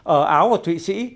ở áo và thụy sĩ